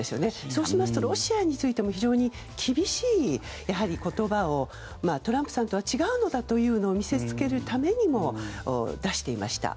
そうしますとロシアについてもやはり、非常に厳しい言葉をトランプさんとは違うのだというのを見せつけるためにも出していました。